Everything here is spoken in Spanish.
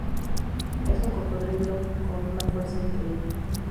Es un cocodrilo con una fuerza increíble.